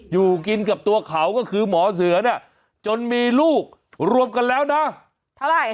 อยู่กินกับตัวเขาก็คือหมอเสือเนี่ยจนมีลูกรวมกันแล้วนะเท่าไหร่